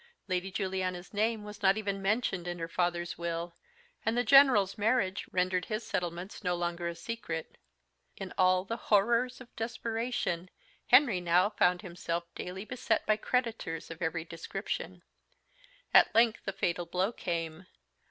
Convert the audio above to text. Lady Juliana's name was not even mentioned in her father's will, and the General's marriage rendered his settlements no longer a secret. In all the horrors of desperation, Henry now found himself daily beset by creditors of every description. At length the fatal blow came.